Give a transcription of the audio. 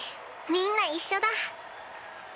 みんな一緒だ。